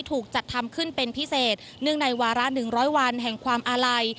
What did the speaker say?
ถูกจัดทำขึ้นเป็นพิเศษเนื่องในวาระ๑๐๐วันแห่งความอาลัย